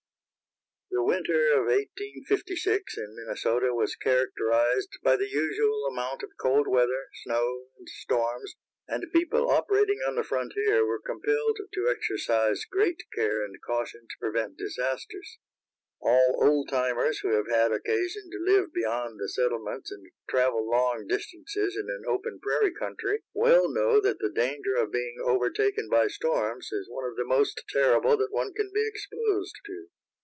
The winter of 1856, in Minnesota, was characterized by the usual amount of cold weather, snow and storms, and people operating on the frontier were compelled to exercise great care and caution to prevent disasters. All old timers who have had occasion to live beyond the settlements and travel long distances in an open prairie country well know that the danger of being overtaken by storms is one of the most terrible that one can be exposed to.